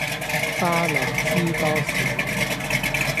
花落知多少